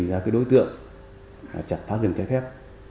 tìm ra đối tượng chặt phá rừng trái phép